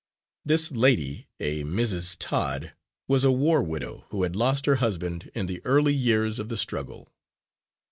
This lady, a Mrs. Todd, was a war widow, who had lost her husband in the early years of the struggle.